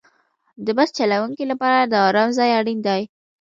د بس چلوونکي لپاره د آرام ځای اړین دی.